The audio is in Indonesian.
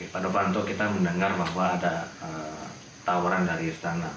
pada waktu itu kita mendengar bahwa ada tawaran dari istana